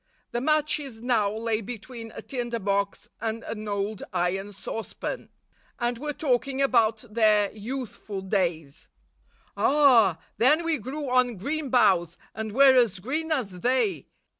The matches now lay between a tinder box and an old iron saucepan, and were talking about their youthful days. ' Ah ! Then we grew on green boughs, and were as green as they.